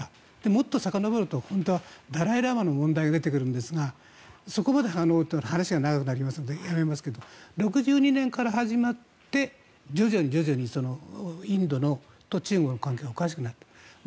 もっとさかのぼるとダライ・ラマの問題が出てくるんですがそこまで話すと話が長くなるのでやめますが６２年から始まって徐々にインドの土地がおかしくなった。